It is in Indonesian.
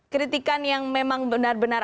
kritikan yang memang benar benar